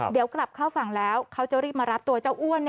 เดี๋ยวกลับเข้าฝั่งแล้วเขาจะรีบมารับตัวเจ้าอ้วน